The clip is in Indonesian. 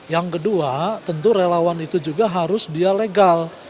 yang kedua tentu relawan itu juga harus dia legal